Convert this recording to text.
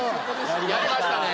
やりましたね。